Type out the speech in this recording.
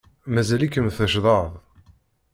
Mazal-ikem teccḍed.